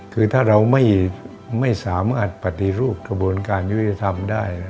คือถ้าเราไม่สามารถปฏิรูปกระบวนการยุติธรรมได้